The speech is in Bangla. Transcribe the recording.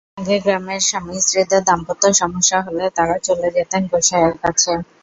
আগে গ্রামের স্বামী-স্ত্রীদের দাম্পত্য সমস্যা হলে তাঁরা চলে যেতেন গোঁসাইয়ের কাছে।